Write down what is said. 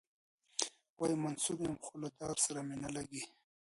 وايي منصور یم خو له دار سره مي نه لګیږي.